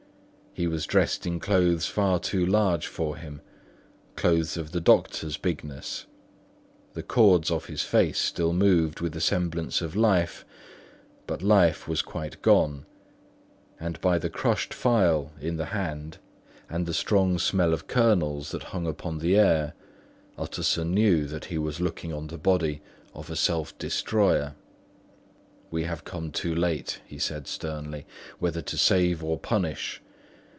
He was dressed in clothes far too large for him, clothes of the doctor's bigness; the cords of his face still moved with a semblance of life, but life was quite gone; and by the crushed phial in the hand and the strong smell of kernels that hung upon the air, Utterson knew that he was looking on the body of a self destroyer. "We have come too late," he said sternly, "whether to save or punish.